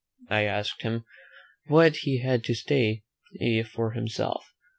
I asked him, "what he had to say for himself?"